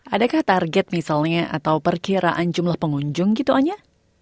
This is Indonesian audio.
adakah target misalnya atau perkiraan jumlah pengunjung gitu anya